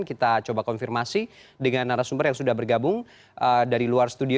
kita coba konfirmasi dengan narasumber yang sudah bergabung dari luar studio